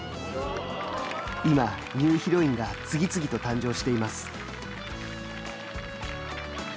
今、ニューヒロインが次々と誕生しています。